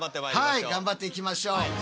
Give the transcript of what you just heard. はい頑張っていきましょう。